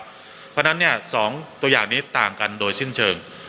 เพราะฉะนั้น๒ตัวอย่างนี้ต่างกันโดยสิ้นเชิง